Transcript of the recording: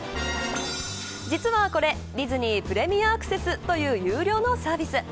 実はこれディズニー・プレミアアクセスという有料のサービス。